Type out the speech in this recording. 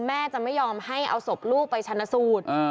แม่จะไม่ยอมให้เอาศพลูกไปชนะสูตร